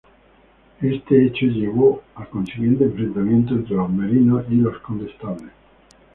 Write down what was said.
Este hecho llevó al consiguiente enfrentamiento entre los merinos y los condestables.